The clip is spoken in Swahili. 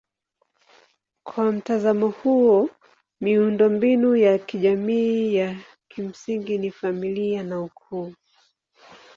Kwa mtazamo huo miundombinu ya kijamii ya kimsingi ni familia na ukoo.